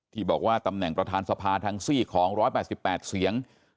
ที่บอกว่าตำแหน่งประธานสภาทั้งซี่ของ๑๘๘เสียง